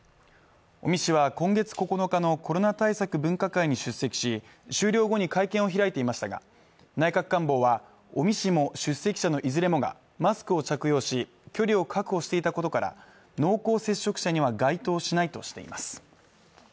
尾身氏は今月９日のコロナ対策分科会に出席し終了後に会見を開いていましたが内閣官房は尾身氏も出席者のいずれもがマスクを着用し距離を確保していたことから濃厚接触者には該当しないとしています